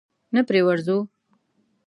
نه پرې ورځو؟